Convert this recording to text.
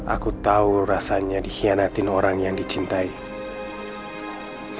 aku tahu rasanya dikhianatin orang yang dicintai